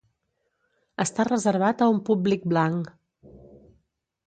Està reservat a un públic blanc.